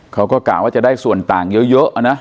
เขาก็กล่าวว่าจะได้ส่วนต่างเยอะเยอะอ่ะนะอ้อ